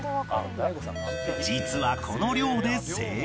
実はこの量で正解！